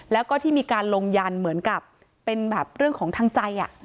แล้วก็ที่มีการลงยันเหมือนกับเป็นแบบเรื่องของทางใจ